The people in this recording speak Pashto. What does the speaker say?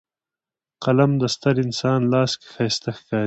قلم د ستر انسان لاس کې ښایسته ښکاري